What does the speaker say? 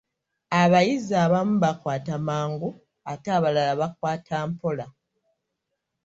Abayizi abamu bakwata mangu, ate abalala bakwata mpola.